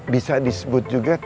bisa disebut juga tas